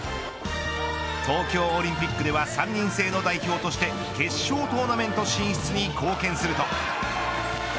東京オリンピックでは３人制の代表として決勝トーナメント進出に貢献すると。